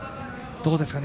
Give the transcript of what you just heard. どうですかね